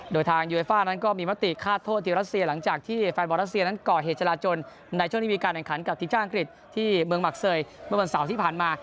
โดยทางยูไอส์ฟ้านั้นก็มีมัตติฆ่าโทษทีวรัสเซียหลังจากที่แฟลล์บอร์รสเซียนั้นเกาะหัวเฮจฯราจนในช่วงนี้มีการตั้งขันกับทหารอังกฤษที่เมืองมักเศยเมื่อวันเสาร์ที่ผ่านมา